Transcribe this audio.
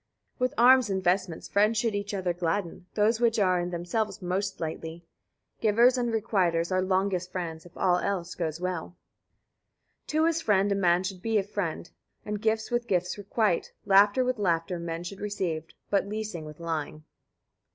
41. With arms and vestments friends should each other gladden, those which are in themselves most sightly. Givers and requiters are longest friends, if all [else] goes well. 42. To his friend a man should be a friend, and gifts with gifts requite. Laughter with laughter men should receive, but leasing with lying.